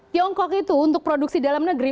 tiongkok itu untuk produksi dalam negeri